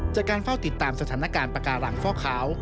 จากการเฝ้าติดตามสถานการณ์ปากการังฟ่อขาว